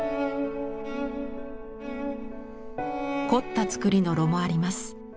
凝った作りの炉もあります。